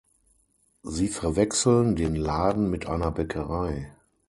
Sie verwechseln den Laden mit einer Bäckerei.